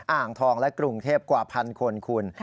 อ่างทองและกรุงเทพกว่าพันคนคุณ